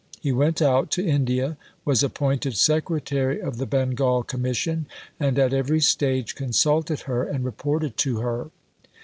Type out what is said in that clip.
He went out to India, was appointed Secretary of the Bengal Commission, and at every stage consulted her and reported to her.